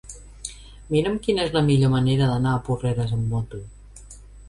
Mira'm quina és la millor manera d'anar a Porreres amb moto.